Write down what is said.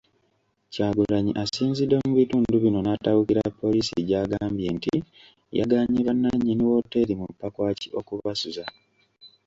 Kyagulanyi asinzidde mu bitundu bino n'atabukira poliisi gy'agambye nti yagaanye bannannyini wooteeri mu Pakwach okubasuza.